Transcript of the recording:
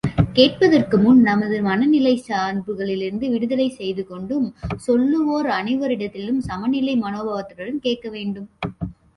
கேட்பதற்குமுன் நமது மனநிலையைச் சார்புகளிலிருந்து விடுதலை செய்து கொண்டும், சொல்லுவோர் அனைவரிடத்திலும் சமநிலை மனோபாவத்துடனும் கேட்க வேண்டும்.